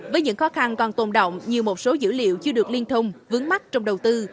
với những khó khăn còn tồn động như một số dữ liệu chưa được liên thông vướng mắt trong đầu tư